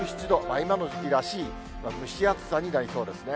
今の時期らしい蒸し暑さになりそうですね。